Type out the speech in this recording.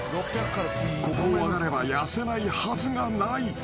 ［ここを上がれば痩せないはずがない］